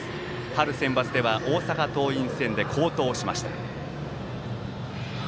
春のセンバツでは大阪桐蔭戦で好投しました。